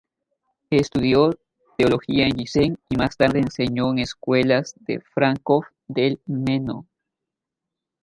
Estudió teología en Giessen, y más tarde enseñó en escuelas de Fráncfort del Meno.